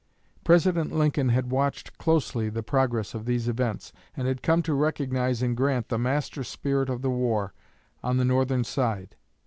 President Lincoln had watched closely the progress of these events, and had come to recognize in Grant the master spirit of the war, on the Northern side.